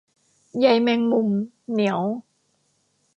ใยแมงมุม เหนียว